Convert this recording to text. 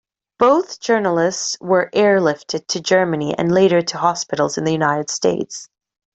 Both journalists were airlifted to Germany and later to hospitals in the United States.